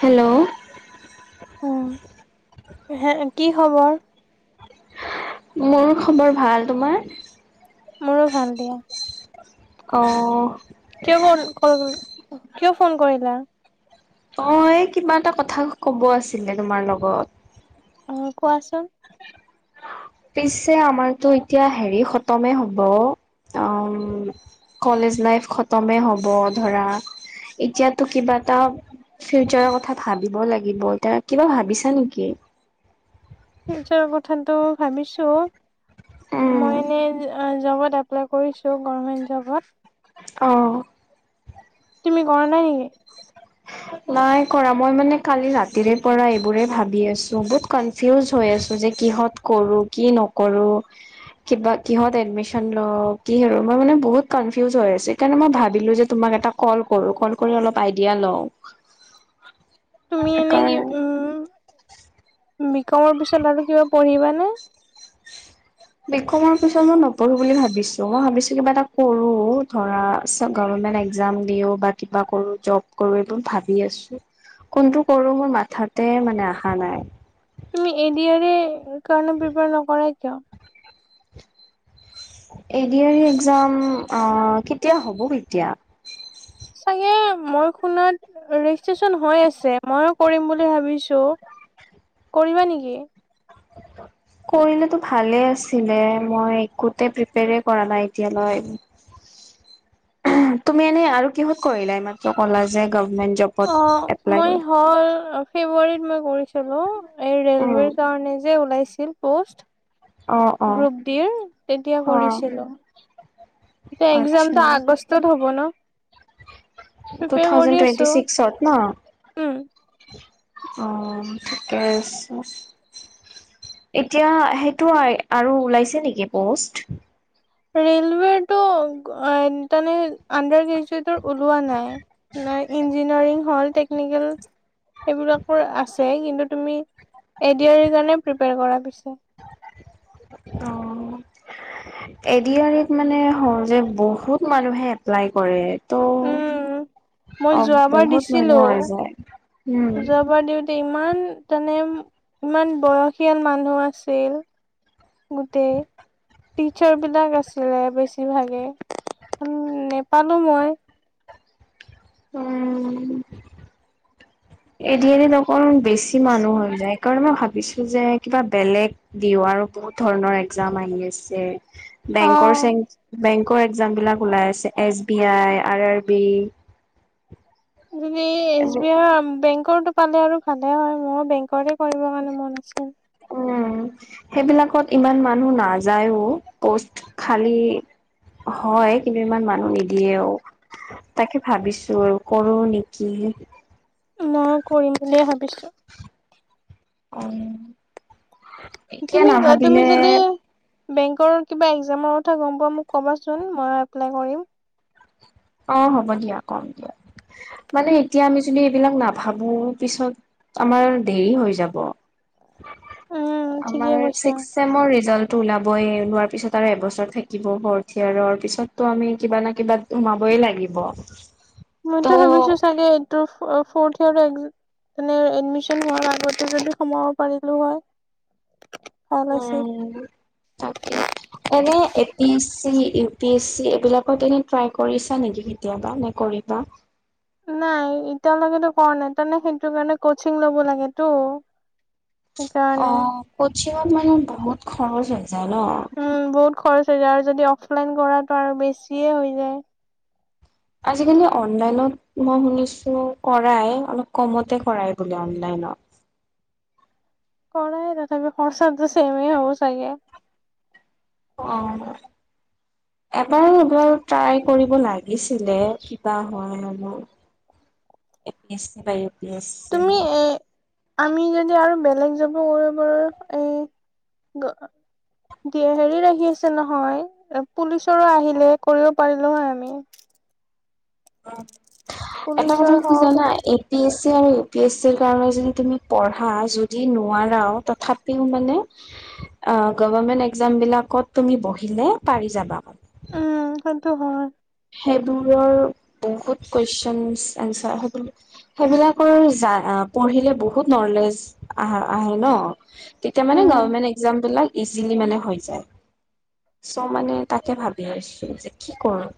Hello উম হে কি খবৰ? মোৰ খবৰ ভাল। তোমাৰ? মোৰো ভাল দিয়া। অ'। কিয় কল ক কিয় ফোন কৰিলা? তই কিবা এটা কথা কব আছিলে তোমাৰ লগত। আহ কোৱাচোন। পিছে আমাৰতটো এতিয়া হেৰি খতমে হব উ কলেজ লাইফ খতমে হব ধৰা, এতিয়াতো কিবা এটা ফিউচাৰৰ কথা ভাবিব লাগিব। এতিয়া কিবা ভাবিছা নেকি? ফিউচাৰৰ কথাটো ভাবিছো। উম মই এনে জবত এপ্লাই কৰিছোঁ গভৰ্মেণ্ট জবত। আহ। তুমি কৰা নাই নেকি? নাই কৰা মই মানে কালি ৰাতিৰে পৰা এইবোৰে ভাবি আছো বহুত কনফিউজ হৈ আছো যে কিহত কৰোঁ কি নকৰোঁ কিবা, কিহত এডমিশন লওঁ কি মই মানে বহুত কনফিউজ হৈছো সকাৰণে মই ভাবিলো যে ত কল কৰো কৰি অল আইডিয়া লওঁ। তুমি এনে কাৰণ কি, উম বিকমৰ পিছত আৰু কিবা পঢ়িবা? [inaudible] বিকমৰ পিছত মই নপঢ়ো বুলি ভাবিছো মই ভাবিছো কিবা এটা কৰো, ধৰা গভৰমেন্ট একজাম দিও বা কিবা কৰো জব কৰো এইবোৰ ভাবি আছো কোনটো কৰো মোৰ মাথাতে মানে আহা নাই। তুমি এ দি আৰ ই কাৰণে প্ৰিপাৰ নকৰাই কিয়? A D R E exam কেতিয়া, হ'ব কেতিয়া? মই খনত ৰেজিষ্ট্ৰন হৈ আছে, ময়ো কৰিম বুলি ভাবিছো। কৰিবা নেকি? কৰিলেটো ভালে আছিলে, মই একোতে প্ৰিপেৰে কৰা নাই এতিয়ালৈ। তুমি এনে আৰু কিহত কৰিলা এই মাত্ৰ ক'লা যে গভমেন্ট জবত অ' এপ্লাই মই কৰিলা? হল ফেব্ৰুৱাৰীত মই কৰিছো। হেল্ল', এই ৰেলৱেৰ কাৰণে যে ওলাইছিল পষ্ট। অ', অ', গ্ৰুপ ডিৰ তেতিয়া কৰিছিলো। এতিয়া আচ্ছা এক্জামতো আগষ্টত হ'ব ন? টু প্ৰিপেয়াৰ থাউজে কৰি টুৱেণ্টি আছো ছিক্সত ন? উম অ', ঠিকে আছে, এতিয়া সেইটো আৰু ওলাইছে নেকি পষ্ট? ৰেলৱেটো আ, তানে আডাৰ গ্ৰেজয়টৰ ওলোৱা নাই, ইঞ্জিনিয়াৰিং হ'ল টেকনিকেল সেইবিলাকৰ আছে, কিন্তু তুমি এ ডি আৰি কাৰণে প্ৰিপয়াৰ কৰা পিছে। অ', এ ডি আৰিত মানে সহজে বহুত মানুহে এপ্লাই কৰে ত' উম মই অ', যোৱাবাৰ বহুত মানুহ হৈ দিছিলো যায়। উম, যোৱাবাৰ দিওঁতে ই ইমান তোনে ইমান বয়সীয়াল মানুহ আছিল। গোটেই টিচাৰ বিলাক আছিলে বেছিভাগে, নেপালোঁ মই উম, এ ডি আৰিত‌ অকল বেছি মানুহ হৈ যায়। সেইকাৰণে মই ভাবিছোঁ যে, কিবা বেলেগ দিওঁ আৰু বহুত ধৰণৰ একজাম আহি আছে। অ বেংকৰ, চে, বেংক কৰ, একজাম বিলাক ওলাই আছে S B I, R R B. তুমি এচ বি আই বেংক টো পালে আৰু ভালে হয়, মই বেংকৰে কৰিবৰ কাৰণে মন আছিল। উম, সেইবিলাকত ইমান মানুহ নাযায়ও পষ্ট খালী হয়, কিন্তু ইমান মানুহ নিদিয়েও তাকে ভাবিছো আৰু কৰো নেকি। মই কৰিম বুলিয়ে ভাবিছো। অ'। তুমি, যোৱা তুমি যদি বেংকৰ কিবা একজামৰ কথা গম পোৱা, মোক কবা চোন মই এপ্লাই কৰিম। অ' হ'ব দিয়া, কম দিয়া, মানে এতিয়া আমি যদি এইবিলাক নাভাবো পিছত আমাৰ দেৰি হৈ যাব। উম আমাৰ ঠিকে কৈছা ছিক্স চমৰ ৰিজাল্ ওলাবই, ওলোৱাৰ পিছত আৰু এবছৰ থাকিব ভৰথীয়াৰ পিছতো আমি কিবা না কিবা সোমাব ই লাগিব। মইতো ভাবিছো চাগে, ফৰ্থ ইয়েৰ এডমিচন হোৱাৰ আগতে যদি সোমাব পাৰিলো হয়। ভাল উ আছিল। তাকে এনে A P S C, U P S C, এইবিলাক তেনে ট্ৰাই কৰিছা নেকি কেতিয়াবা নে কৰিবা? নাই এতিয়ালৈকেতো কৰা নাই তাৰমানে সেইটো কাৰণে কচিং ল'ব লাগে টো। অ' কচিং ত মানে, বহুত খৰচ হয়। চাল [unintelligible] বহুত খৰচ যদি অফলাইন কৰাটো আৰু বেছিয়ে হৈ যায় আজিকালি অনলাইনত মই শুনিছো কৰাই অলপ কমতে কৰাই বোলে অনলাইনত। কৰাই তথাপি খৰচ চেমেই হ'ব চাগে। অ' এবাৰ এবাৰ ট্ৰাই কৰিব লাগিছিলে কিবা হয় মোৰ এ পি এচি বা তুমি উ [unintelligible] এ আমি যদি আৰু বেলেগ জবো কৰিব এ হেৰি ৰাখি আছে নহয় পুলিচৰো আহিলে কৰিব পাৰিলো হয়ে আমি। অ'। এটা কথা পুলিচৰ কি হওক জানা এ পি এছ চি আৰু ইউ পি এছ চ ৰ কাৰণে যদি তুমি পঢ়া যদি নোৱাৰাও তথাপিও মানে গভমেন্ট একজাম বিলাকত তুমি বহিলে পাৰি যাবা। উম সটো হয় সেইবোৰৰ বহুত খছ [unintelligible] সেইবিলাকৰ পঢ়িলে বহুত নলেজ আহ আহে ন'। তেতিয়া মানে উম গভমেণ্ট একজাম বিলাক, ইজিলি মানে হৈ যায় চ' মানে তাকে ভাবি আহিছো যে কি কৰো।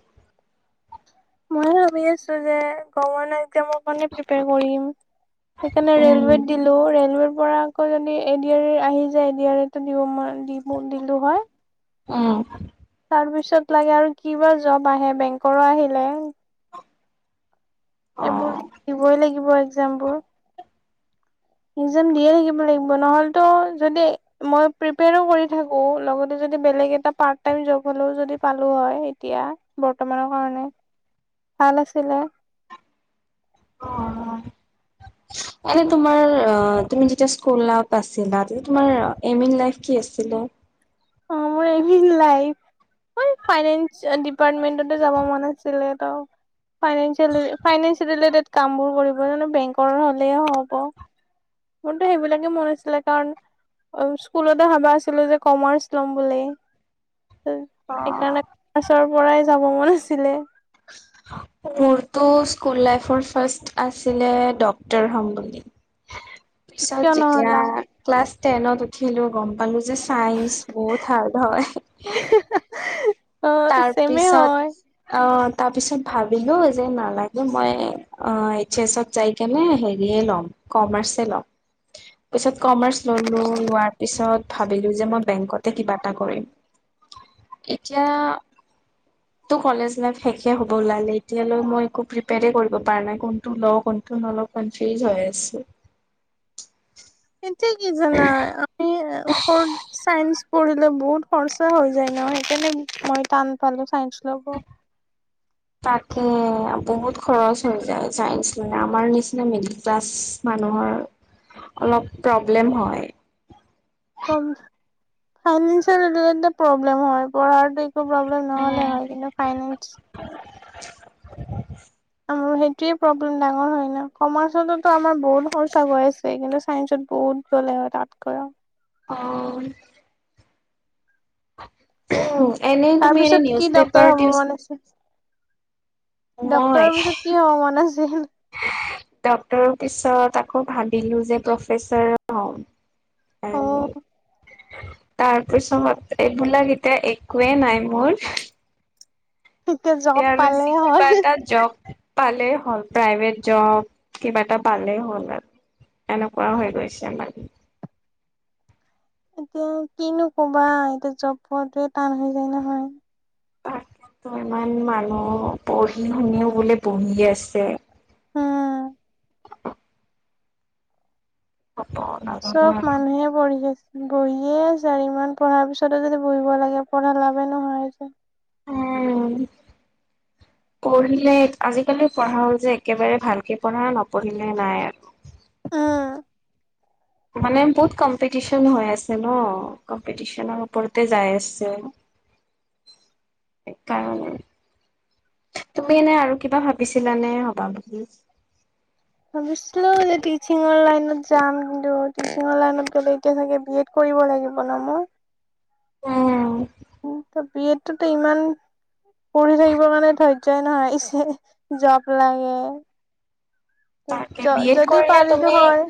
মই ভাবি আছো যে গগন। উম ৰেলৱেত দিলো, ৰেলৱেত পৰা আকৌ যদি এড আৰ ই আহি যায় এডি আৰি দিব দিলো হয়। অ'। তাৰ পিছত লাগে আৰু কিবা জব আহে বেংকৰো আহিলে। এইবোৰ অ দিবই লাগিব। বোৰ একজাম বোৰ। একজাম দিয়ে থাকিব লাগিব, ন'হলেতো মই পিপেয়াৰো কৰি থাকো বেলেগ এটা পাৰ্ট টাইম জবো পালো হয় এতিয়া বৰ্তমানৰ কাৰণে ভাল আছিলে। এনে তোমাৰ তুমি যেতিয়া স্কুল আছিলা, এইম ইন লাইফ কি আছিলে? অ' মোৰ aim in life finance department যাব মন আছিল ত'। ফাইনেয়েল ফাইনেঞ্চ ৰিলেটেড। কাম বোৰ কৰিব জানো বেংকৰ হ'লে হ'ব। মোৰতো সেইবিলাকে মন আছিলে কাৰণ স্কুলতে ভাবা আছিলো যে কমাৰ্চ ল'ম বুলি। সেইকাৰণে মছৰ পৰাই, যাব মন আছিলে। মোৰতো স্কুল লাইফৰ ফাৰ্ষ্ট আছিলে ডটৰ হম বুলি। পিচত কিয় যেতিয়া, নহলা ক্লাছ ট্ৰেইনত উঠিলো, গম পালো যে চাইন্স বহুত হাৰ্ড হয়। অ চেমে তাৰপিছত, হয় আহ। তাৰপিছত ভাবিলো, যে নালাগে মই এইচ এছ যাই কেনে হেৰিয় লম কমাৰ্চ ল'ম। পিছত কমাৰ্চ ললো, লোৱাৰ পিছত ভাবিলোঁ যে, মই বেংকতে কিবা এটা কৰিম এতিয়া তো, কলেজ লাইফ শেষে হ'ব ওলালে এতিয়ালৈ মই একো প্ৰিপিয়াৰে কৰিব পৰা নাই কোনটো লওঁ, কোনটো নলওঁ কনফিউজ হৈ আছোঁ। এতিয়া কি জানা, আমি [unintelligible] চাইন্স পঢ়িলে বহুত খৰচা হৈ যায় ন' সেইকাৰণে মই টান পালো চাইন্স ল'ব তাকে বহুত খৰচ হৈ যায় চাইন্ঞ্চ মানে আমাৰ নিচিনা মিডিল ক্লাছ মানুহৰ অলপ প্ৰব্লেম হয়। ফাইনেচিয়েল [unintelligible] প্ৰব্লেম হয়, পঢ়াৰ প্ৰব্লেম নহ'লে হয়, কিন্তু ফাইন আমাৰ সেইটোৱে প্ৰব্লেম ডাঙৰ হয়, না, কমাৰ্চতো আমাৰ বহুত খৰচা হৈ আছে কিন্তু চাইন্সত বহুত গ'লে হয়, তাতকৈ আৰু অ'। এনেই তুমি এনে তাৰপিছত নিউজ কি পেপাৰ, ডক্তৰ হ'ব টিউচ মন আছে ডক্তৰৰ পিছত কি হ'ব মন আছিল? ডক্তৰৰ পিছত আকৌ ভাবিলোঁ যে, প্ৰফেচৰ হম। অ [unintelligible] তাৰপিছত এইবিলাক এতিয়া একোৱেই নাই মোৰ। এতিয়া জব আৰু পালে যি, কিবা হ'ল এটা জব পালেই হ'ল প্ৰাইভেট জব, কিবা এটা পালেই হ'ল, আৰু এনেকুৱা হৈ, গৈছে মানে এতিয়া কিনো ক'বা, এতিয়া জব পোৱাটোৱে টান হৈ যায় নহয়। তাত ইমান মানুহ পঢ়ি-শুনিও বোলে বহি আছে। হম। হ'ব নাজানো চব আৰু মানুহে পঢ়িছে বহিয়ে চাৰিমান পঢ়াৰ পিছতো যদি পঢ়িব লাগে, পঢ়াৰ লাভে নহয় যে উম, পঢ়িলে আজিকালি পঢ়া হ'ল যে, একেবাৰে ভালকৈ পঢ়া, নপঢ়িলে নাই আৰু উম। মানে, বহুত কম্পিটিচন হৈ আছে ন'। কম্পিটিচনৰ ওপৰতে যাই আছে। সেইকাৰণে, তুমি এনে আৰু কিবা ভাবিছিলানে, হ'বা বুলি? ভাবিছিলোঁ যে টিচিংৰ লাইনত যাম, কিন্তু টিচিংৰ লাইনত গ'লে এতিয়া চাগে বিএড কৰিব লাগিব ন' মোৰ? উম। ত', বিএডটোতো ইমান পঢ়ি থাকিব কাৰণে ধৰ্যই নহয়, ইছলিয়ে জব তাকে লাগে। বি এড যদি কৰিলে তুমি পাৰিলো হয়।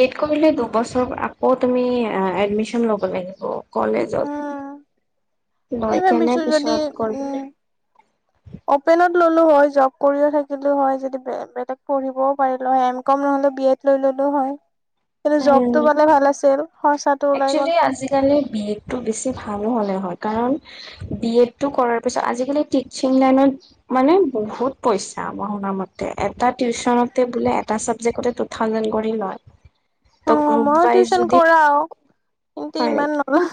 বি এড কৰিলে দুবছৰ আকৌ তুমি এডমিশন ল'ব লাগিব। কলেজত উম লৈ সেই কেনে ভাবিছো যদি পিছত কৰিবলে। উম অপেনত ললো হয় জব কৰিও থাকিলো হয়। যদি বেলেগ পঢ়িবও পাৰিলো হয় এম কম নহ'লে বি এড লৈ ললো হয়। কিন্তু জব টো পালে ভাল আছিল। খৰচাত একচোৱেলি আজিকালি বি এড টো বেছি ভাল হ'ল। কৰা হয় কাৰণ বি এড টো কৰাৰ পিছত আজিকালি টিচিং লাইনত মানে বহুত পইচা শুনা মতে। এটা টিউচনতে বোলে এটা চাবজেক্টতে থাউজেন্ড কৰি লয়। ত' অ' গ্ৰুপ মইও ৱাইজ টিউচন যদি কৰাও কিন্তু হয় ইমান নেকি? নলওঁ।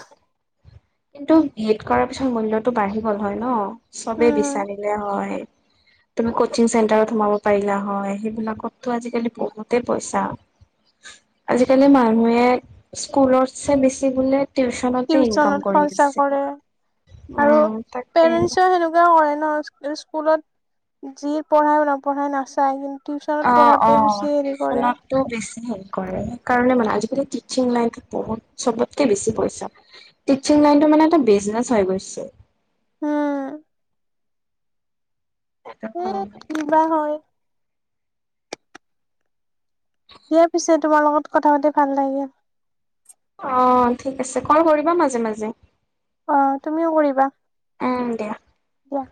কিন্তু বি এড কৰাৰ পিছত মূল্যয়তটো বাঢ়ি গ'ল হয় ন চবে উম বিচাৰিলে হয়। তুমি কচিং চেণ্টাৰত সোমাব পাৰিলা হয় সেইবিলাকতটো আজিকালি বহুতে পইচা আজিকালি মানুহে স্কুলতছে বেছি বোলে। টউচনতে ইনকাম। কৰি খৰ্চা আছে। কৰে আৰু উম তাকে পেৰেন্টচৰ সেনেকুৱা কৰে ন স্কুলত যি পঢ়াই নপঢ়াই নাচায় কিন্তু টিউচনত অ' পঢ়াতে অ' বেছি হেৰি কৰে ফনটো বেছি কৰে সেইকাৰণে মানে আজিকালি টিচিং লাইনত বহুত চবতকে বেছি পইছা টিচিং লাইনত মানে এটা বিজনেচ হৈ গৈছে। উম। এ কিবা হয় অ' দিয়া পিছে তোমাৰ লগত কথা পাতি ভাল লাগিল অ' ঠিক আছে কল কৰিবা মাজে মাজে অ' তুমিও কৰিবা। আহ দিয়া দিয়া